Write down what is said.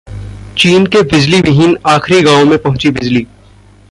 चीन के बिजली विहीन आखिरी गांव में पहुंची बिजली